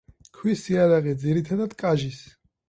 ქვის იარაღი, ძირითადად, კაჟის.